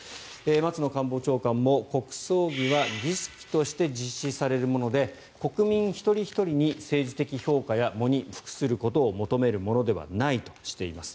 松野官房長官も、国葬儀は儀式として実施されるもので国民一人ひとりに政治的評価や喪に服することを求めるものではないとしています。